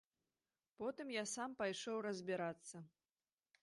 Потым я сам пайшоў разбірацца.